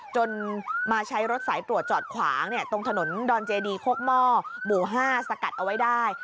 จนมาใช้รถสายตรวจจอดขวางตรงถนนดอนเจดีโคกหม้อหมู่๕สกัดเอาไว้ได้